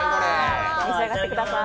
召し上がってください。